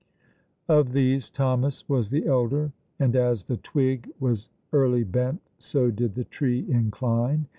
Of these Thomas was the elder, and as the twig was early bent so did the tree incline.